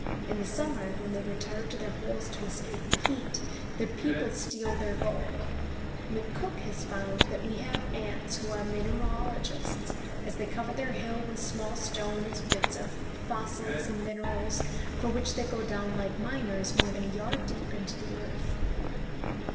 In the summer, when they retire to their holes to escape the heat, the people steal their gold. McCook has found that we have ants who are mineralogists, as they cover their hill with small stones, bits of fossils and minerals, for which they go down like miners more than a yard deep into the earth.